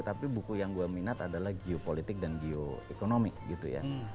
tapi buku yang gue minat adalah geopolitik dan geoekonomik gitu ya